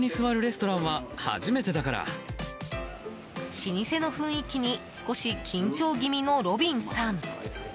老舗の雰囲気に少し緊張気味のロビンさん。